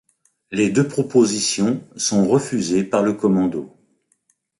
Les deux propositions sont refusées par le commando.